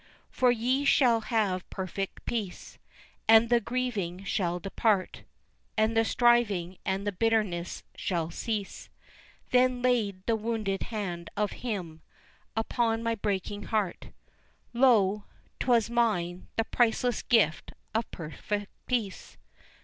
For ye shall have perfect peace, And the grieving shall depart, And the striving and the bitterness shall cease, Then laid the wounded hand of Him Upon my breaking heart, Lo, 'twas mine, the priceless gift of Perfect Peace.